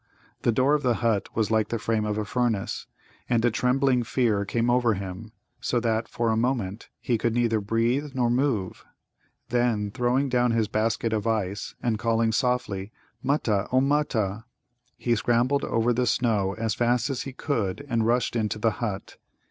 The door of the hut was like the frame of a furnace. And a trembling fear came over him, so that for a moment he could neither breathe nor move. Then, throwing down his basket of ice, and calling softly, "Mutta, O Mutta!" he scrambled over the snow as fast as he could and rushed into the hut.